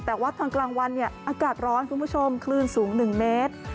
แต่วัดทางกลางวันอากาศร้อนคุณผู้ชมคลื่นสูง๑เมตร